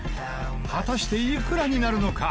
果たしていくらになるのか？